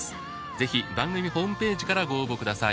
ぜひ番組ホームページからご応募ください。